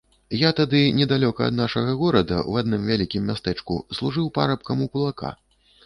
Я тады недалёка ад нашага горада, у адным вялікім мястэчку, служыў парабкам у кулака.